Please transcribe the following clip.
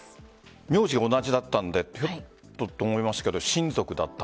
苗字が同じだったのでちょっとと思いましたが親族だった。